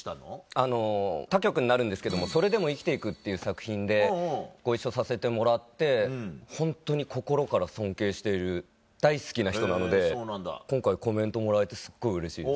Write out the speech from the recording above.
あの他局になるんですけども『それでも、生きてゆく』っていう作品でご一緒させてもらってホントに心から尊敬している大好きな人なので今回コメントもらえてすっごいうれしいです。